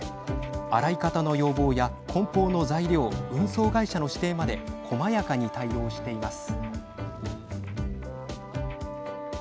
洗い方の要望や、こん包の材料運送会社の指定までこまやかに対応しています。